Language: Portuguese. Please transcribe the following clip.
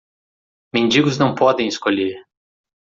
Mendigos não podem escolher.